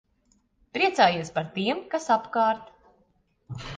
Priecājies par tiem, kas apkārt.